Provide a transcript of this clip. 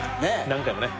何回もね。